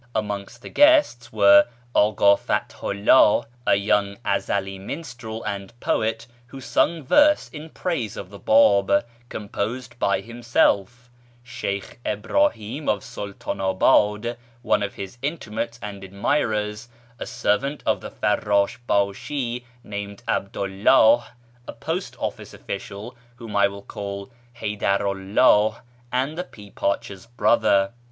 Amongst the guests were Aka Fathu 'lliih, a young Ezeli minstrel and poet, who sung verses in praise of the Bab, composed by him self ; Sheykh Ibrahim of Sultanabad ; one of his intimates and admirers, a servant of the Farrash bashi, named 'Abdu 'llah ; a post ofiice official, whom I will call Haydaru 'llah ; and the pea parcher's brother.